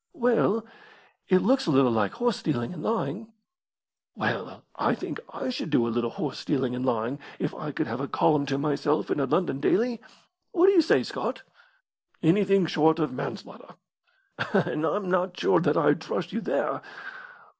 "Well, it looks a little like horse stealing and lying." "Well, I think I should do a little horse stealing and lying if I could have a column to myself in a London daily. What do you say, Scott?" "Anything short of manslaughter." "And I'm not sure that I'd trust you there."